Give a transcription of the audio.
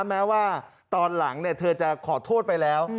แม้ว่าตอนหลังเธอจะขอโทษไปแล้ว